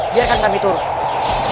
biarkan kami turun